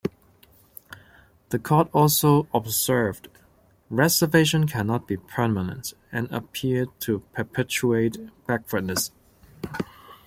The court also observed, "Reservation cannot be permanent and appear to perpetuate backwardness".